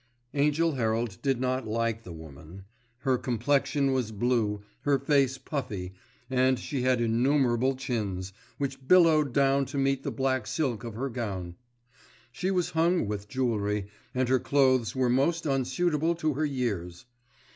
Angell Herald did not like the woman. Her complexion was blue, her face puffy, and she had innumerable chins, which billowed down to meet the black silk of her gown. She was hung with jewellery, and her clothes were most unsuitable to her years.